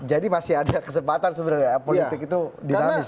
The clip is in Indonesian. jadi masih ada kesempatan sebenarnya politik itu dianggap